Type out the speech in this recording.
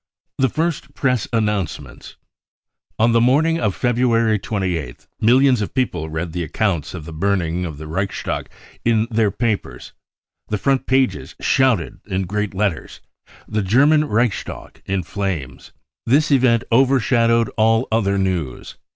5 ' The First Press Announcements. On the morning of Feb ruary 28th millions of people read the account of the burn ing of the Reichstag in their papers. The front pages shouted in great letters :" The German Reichstag in flames." This event overshadowed all other news.